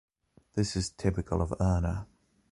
This is typical of Erna.